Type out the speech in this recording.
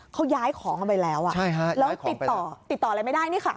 เขาย้ายของไปแล้วแล้วติดต่ออะไรไม่ได้นี่ค่ะ